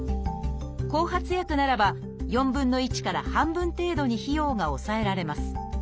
後発薬ならば４分の１から半分程度に費用が抑えられます。